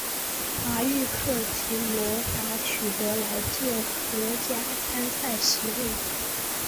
华域克及洛达取得来届荷甲参赛席位。